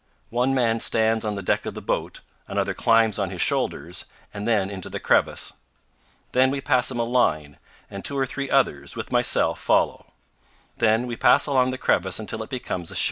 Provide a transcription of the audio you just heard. One man stands on the deck of the boat, another climbs on his shoulders, and then into the crevice. Then we pass him a line, and two or three others, with myself, follow; then we pass along the crevice until it becomes a shelf, as 235 powell canyons 152.